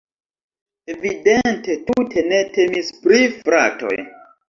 Evidente tute ne temis pri fratoj.